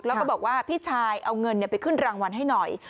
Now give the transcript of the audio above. แล้วก็บอกว่าพี่ชายเอาเงินไปขึ้นรางวัลให้หน่อย